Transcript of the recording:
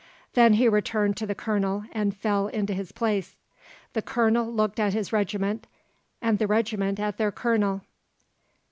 Then he returned to the Colonel, and fell into his place. The Colonel looked at his regiment, and the regiment at their Colonel.